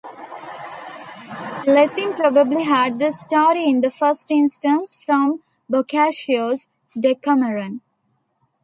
Lessing probably had the story in the first instance from Boccaccio's "Decameron".